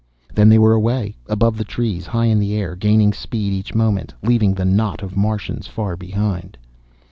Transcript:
Then they were away, above the trees, high in the air, gaining speed each moment, leaving the knot of Martians far behind.